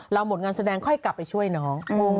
หมดงานแสดงค่อยกลับไปช่วยน้อง